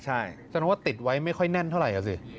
ใช่จะนึกว่าติดไว้ไม่ค่อยแน่นเท่าไรเหรอสิ